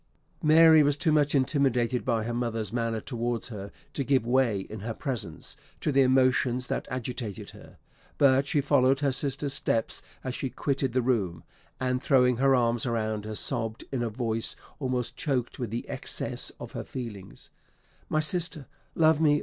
Mary was too much intimidated by her mother's manner towards her to give way, in her presence, to the emotions that agitated her; but she followed her sister's steps as she quitted the room, and, throwing her arms around her, sobbed in a voice almost choked with the excess of her feelings, "My sister, love me!